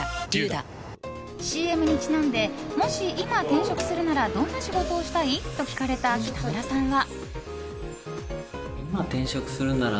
ＣＭにちなんでもし今、転職するならどんな仕事をしたい？と聞かれた北村さんは。